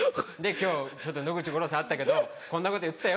「今日野口五郎さん会ったけどこんなこと言ってたよ」。